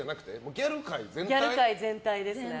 ギャル界全体ですね。